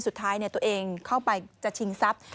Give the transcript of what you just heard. สุดท้ายตัวเองเข้าไปจะชิงทรัพย์